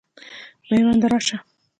مېونده راسه.